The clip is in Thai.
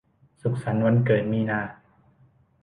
สุขสันต์วันเกิดมีนา